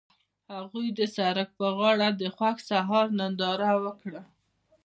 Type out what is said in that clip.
هغوی د سړک پر غاړه د خوښ سهار ننداره وکړه.